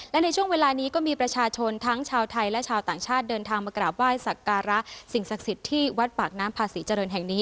และในช่วงเวลานี้ก็มีประชาชนทั้งชาวไทยและชาวต่างชาติเดินทางมากราบไหว้สักการะสิ่งศักดิ์สิทธิ์ที่วัดปากน้ำพาศรีเจริญแห่งนี้